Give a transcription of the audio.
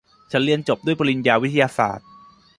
ฉันเรียนจบด้วยปริญญาวิทยาศาสตร์